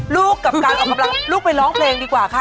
กับการออกกำลังลูกไปร้องเพลงดีกว่าค่ะ